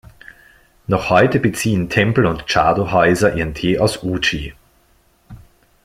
Noch heute beziehen Tempel und Chado-Häuser ihren Tee aus Uji.